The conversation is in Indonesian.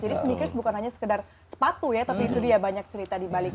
jadi sneakers bukan hanya sekedar sepatu ya tapi itu dia banyak cerita di baliknya